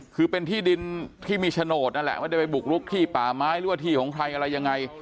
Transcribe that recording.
คือเป็นที่ดินที่มีโฉนดนั่นแหละไม่ได้ไปบุกลุกที่ป่าไม้หรือว่าที่ของใครอะไรยังไง